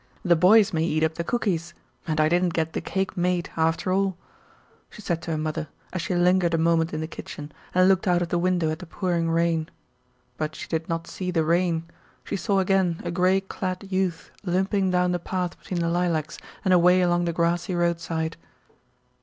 The boys may eat up the cookies, and I didn't get the cake made after all," she said to her mother, as she lingered a moment in the kitchen and looked out of the window at the pouring rain. But she did not see the rain; she saw again a gray clad youth limping down the path between the lilacs and away along the grassy roadside.